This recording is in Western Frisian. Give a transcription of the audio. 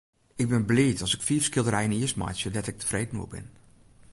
Ik bin bliid as ik fiif skilderijen jiers meitsje dêr't ik tefreden oer bin.